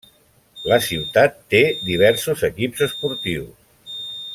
La ciutat té diversos equips esportius.